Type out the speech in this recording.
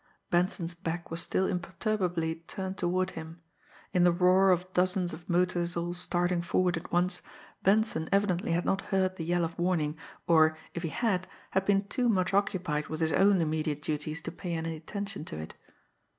Benson's back was still imperturbably turned toward him. In the roar of dozens of motors all starting forward at once, Benson evidently had not heard the yell of warning, or, if he had, had been too much occupied with his own immediate duties to pay any attention to it.